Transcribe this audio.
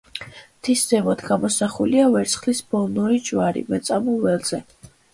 მთის ზემოთ გამოსახულია ვერცხლის ბოლნური ჯვარი მეწამულ ველზე.